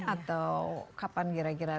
atau kapan kira kira